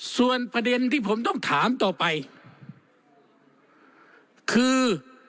ส่วนประเด็นที่ผมต้องถามต่อไปคือ